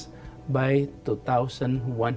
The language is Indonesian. dalam setengah tahun